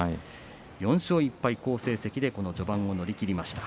４勝１敗、好成績でこの序盤を乗り切りました。